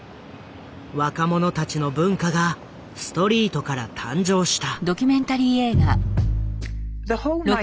若者たちの文化がストリートから誕生した。